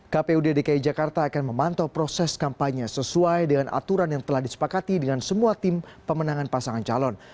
kpu dki jakarta akan memantau proses kampanye sesuai dengan aturan yang telah disepakati dengan semua tim pemenangan pasangan calon